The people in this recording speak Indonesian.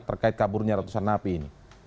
terkait kaburnya ratusan napi ini